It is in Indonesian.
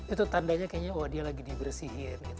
itu tandanya kayaknya wah dia lagi dibersihin gitu